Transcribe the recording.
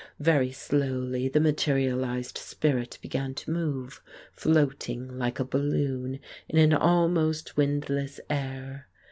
Very slowly the materialized spirit began to move, floating like a balloon in an almost windless air.